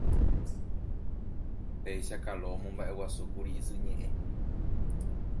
Péicha Kalo omomba'eguasúkuri isy ñe'ẽ